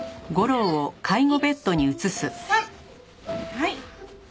はい。